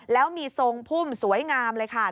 แล้วมีทรงพุ่มสวยงามเลยค่ะ